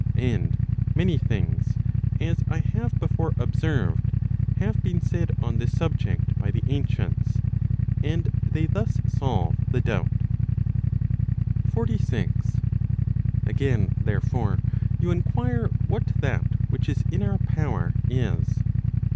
And many things, as I have before observed, have been said on this subject by the ancients, and they thus solve the doubt. 46. Again, therefore, you inquire what that which is in our power is.